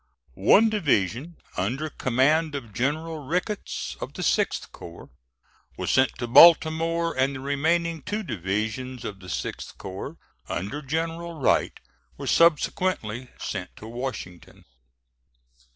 One division under command of General Ricketts, of the 6th corps, was sent to Baltimore, and the remaining two divisions of the 6th corps, under General Wright, were subsequently sent to Washington.